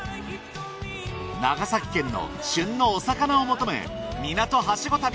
長崎県の旬のお魚を求め港はしご